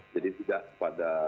jadi sudah pada